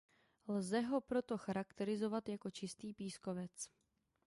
Lze ho proto charakterizovat jako „čistý pískovec“.